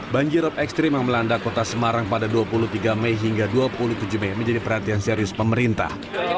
banjirop ekstrim yang melanda kota semarang pada dua puluh tiga mei hingga dua puluh tujuh mei menjadi perhatian serius pemerintah